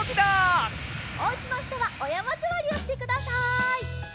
おうちのひとはおやまずわりをしてください。